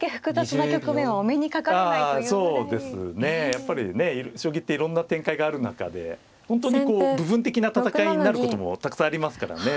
やっぱりね将棋っていろんな展開がある中で本当にこう部分的な戦いになることもたくさんありますからね。